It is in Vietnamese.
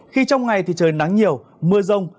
khi trong ngày thì trời nắng nhiều mưa rông